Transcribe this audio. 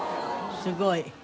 すごい。